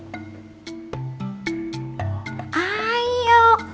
jess kita main yuk